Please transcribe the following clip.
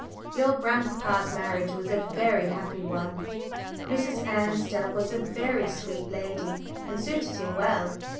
Your grandpapa's marriage was a very happy one; Mrs. Ansdell was a very sweet lady, and suited him well.